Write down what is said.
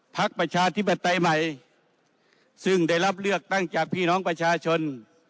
พรรคประชาทิบัติมัยซึ่งได้รับเลือกตั้งจากพี่น้องประชาชน